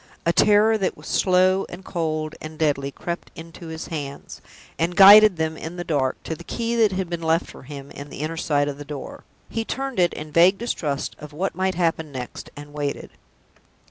A terror that was slow and cold and deadly crept into his hands, and guided them in the dark to the key that had been left for him in the inner side of the door. He turned it in vague distrust of what might happen next, and waited.